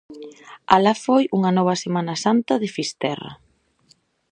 Alá foi unha nova Semana Santa de Fisterra.